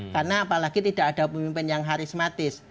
karena apalagi tidak ada pemimpin yang harismatis